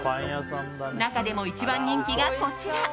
中でも一番人気がこちら。